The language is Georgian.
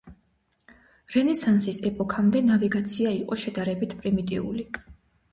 რენესანსის ეპოქამდე ნავიგაცია იყო შედარებით პრიმიტიული.